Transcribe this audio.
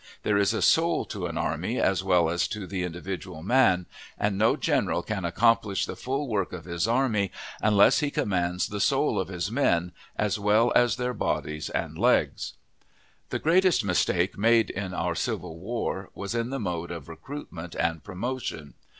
There is a soul to an army as well as to the individual man, and no general can accomplish the full work of his army unless he commands the soul of his men, as well as their bodies and legs. The greatest mistake made in our civil war was in the mode of recruitment and promotion.